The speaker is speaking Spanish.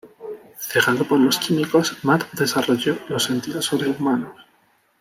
Cegado por los químicos, Matt desarrolló los sentidos sobrehumanos.